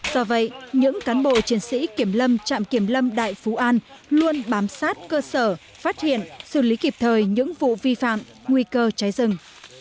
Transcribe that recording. do vậy những cán bộ chiến sĩ kiểm lâm trạm kiểm lâm đại phú an luôn bám sát cơ sở phát hiện xử lý kịp thời những vụ vi phạm nguy cơ cháy rừng